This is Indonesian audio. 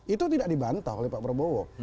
itu tidak dibantah oleh pak prabowo